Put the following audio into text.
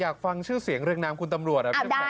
อยากฟังชื่อเสียงเรื่องน้ำคุณตัมรวช